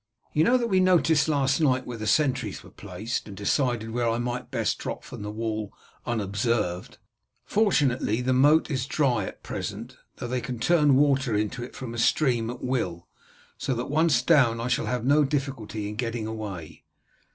You know that we noticed last night where the sentries were placed, and decided where I might best drop from the wall unobserved. Fortunately the moat is dry at present, though they can turn water into it from the stream at will, so that once down I shall have no difficulty in getting away.